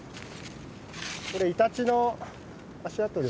これイタチの足跡ですかね。